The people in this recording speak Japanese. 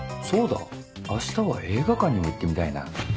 そうだ明日は映画館にも行ってみたいな。